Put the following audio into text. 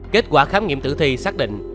kết quả khám nghiệm tử thi xác định